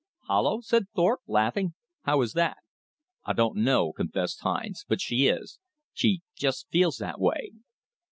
"Hollow?" said Thorpe, laughing. "How is that?" "I don' no," confessed Hines, "but she is. She jest feels that way."